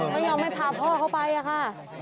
ไม่ยอมให้พาพ่อเข้าไปอะค่ะ